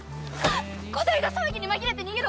伍代が騒ぎに紛れて逃げろって。